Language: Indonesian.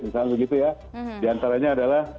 misalnya begitu ya diantaranya adalah